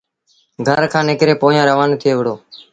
گھر کآݩ نڪري پويآن روآنيٚ ٿئي وُهڙيٚ۔